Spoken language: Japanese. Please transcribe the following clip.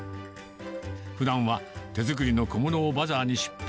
ふだんは手作りの小物をバザーに出品。